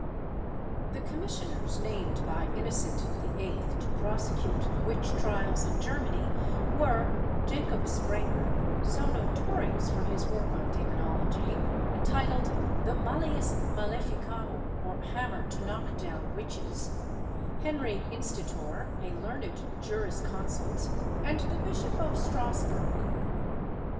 Zauberbibliothek, Thiel 5. The commissioners named by Innocent VIII. to prosecute the witch trials in Germany were, Jacob Sprenger, so notorious for his work on demonology, entitled the Malleus Maleficarum, or Hammer to knock down Witches; Henry Institor, a learned jurisconsult; and the Bishop of Strasburgh.